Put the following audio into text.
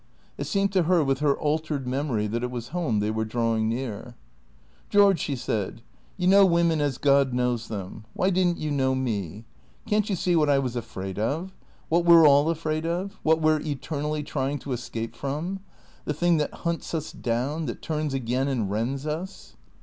It seemed to her with her altered memory that it was home they were drawing near. " George," she said, " you know women as God knows them ; why didn't you know me? Can't you see what I was afraid of? What we're all afraid of? What we're eternally trying to escape from? The thing that hunts us down, that turns again and rends us."